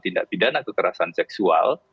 tindak pidana kekerasan seksual